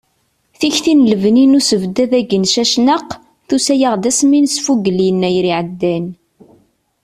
Tikti n lebni n usebddad-agi n Cacnaq, tusa-aɣ-d asmi nesfugel yennayer iɛeddan.